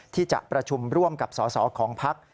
ที่จะประชุมร่วมกับสสของพัก